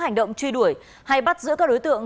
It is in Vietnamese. hành động truy đuổi hay bắt giữ các đối tượng